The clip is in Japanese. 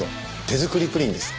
手作りプリンです。